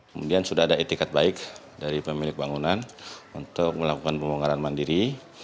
kemudian sudah ada etikat baik dari pemilik bangunan untuk melakukan pembongkaran mandiri